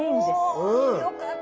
よかった。